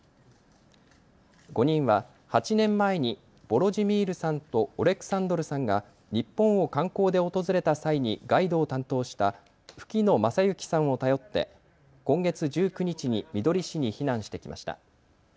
５人は８年前にヴォロジミールさんとオレクサンドルさんが日本を観光で訪れた際にガイドを担当した吹野昌幸さんを頼って今月１９日にみどり市に避難してきました。